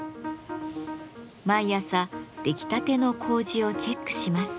毎朝出来たての麹をチェックします。